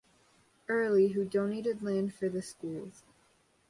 Early, who donated land for the schools.